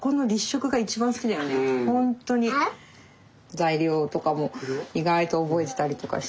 材料とかも意外と覚えてたりとかしてね。